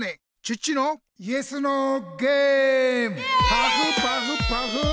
パフパフパフ！